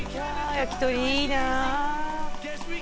焼き鳥いいなあ